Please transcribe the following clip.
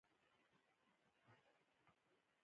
یوه ورځ یو ماشوم دنیا ته راغی.